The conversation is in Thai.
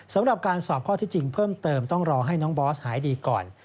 สำหรับการสอบข้อที่จริงเพิ่มเติมต้องรอให้น้องบอสหายดีก่อน